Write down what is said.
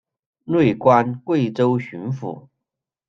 累官贵州巡抚。